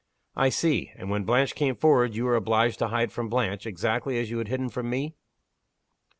"I see! And, when Blanche came afterward, you were obliged to hide from Blanche, exactly as you had hidden from me?"